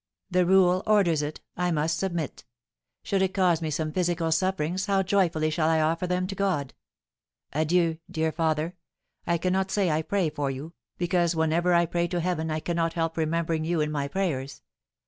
The rule orders it, I must submit. Should it cause me some physical sufferings, how joyfully shall I offer them to God! Adieu, dear father! I cannot say I pray for you, because whenever I pray to Heaven I cannot help remembering you in my prayers.